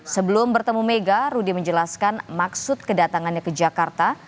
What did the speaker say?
sebelum bertemu mega rudy menjelaskan maksud kedatangannya ke jakarta